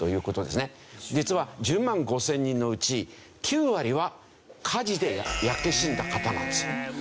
実は１０万５０００人のうち９割は火事で焼け死んだ方なんですよ。